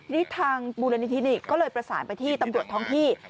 นี่ทางมูลนิธินี่ก็เลยประสานไปที่ตำรวจท้องที่